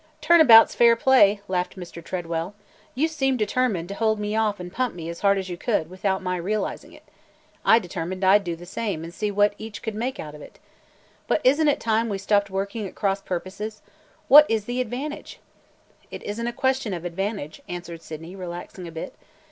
"Turn about 's fair play!" laughed Mr. Tredwell. "You seemed determined to hold me off and pump me as hard as you could, without my realizing it. I determined I 'd do the same and see what each could make out of it. But is n't it time we stopped working at cross purposes? What is the advantage?" "It is n't a question of advantage," answered Sydney, relaxing a bit.